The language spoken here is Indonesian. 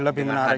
lebih menarik ya